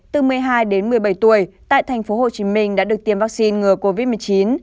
từ một mươi hai đến một mươi bảy tuổi tại tp hcm đã được tiêm vaccine ngừa covid một mươi chín